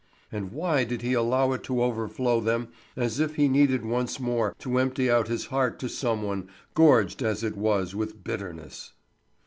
And why did he allow it to overflow them as if he needed once more to empty out his heart to some one, gorged as it was with bitterness?